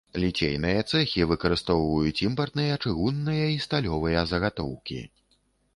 Ліцейныя цэхі выкарыстоўваюць імпартныя чыгунныя і сталёвыя загатоўкі.